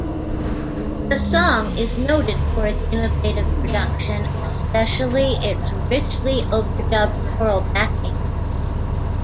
The song is noted for its innovative production, especially its richly overdubbed choral backing.